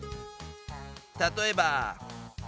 例えば。